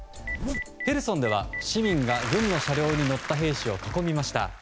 ヘルソンでは市民が軍の車両に乗った兵士を囲みました。